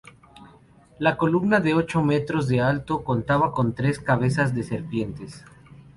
La columna, de ocho metros de alto, contaba con tres cabezas de serpientes.